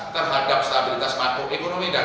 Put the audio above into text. terhadap stabilitas makroekonomi dan